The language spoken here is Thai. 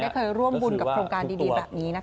เคยร่วมบุญกับโครงการดีแบบนี้นะคะ